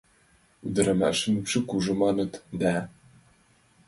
— Ӱдырамашын ӱпшӧ кужу, маныт да...